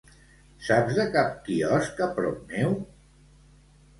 Saps de cap quiosc a prop meu?